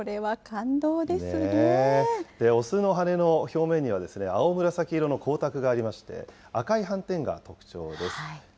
雄の羽の表面には、青紫色の光沢がありまして、赤い斑点が特徴です。